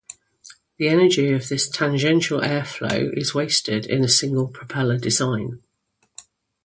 The energy of this tangential air flow is wasted in a single-propeller design.